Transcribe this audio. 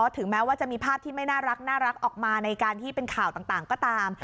ถึงแม้ว่าจะมีภาพที่ไม่น่ารักออกมาในการที่เป็นข่าวต่างก็ตาม